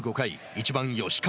１番吉川。